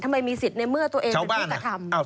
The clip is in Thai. ทำไมมีสิทธิ์ในเมื่อตัวเองเป็นผู้กระทำ